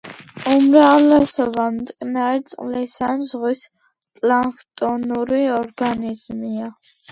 უმრავლესობა მტკნარი წყლის ან ზღვის პლანქტონური ორგანიზმია.